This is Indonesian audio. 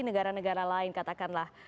negara negara lain katakanlah